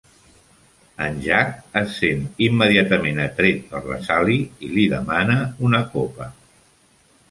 En Jack es sent immediatament atret per la Sally i li demana una copa.